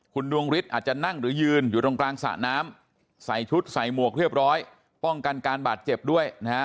คุณดวงฤทธิ์อาจจะนั่งหรือยืนอยู่ตรงกลางสระน้ำใส่ชุดใส่หมวกเรียบร้อยป้องกันการบาดเจ็บด้วยนะฮะ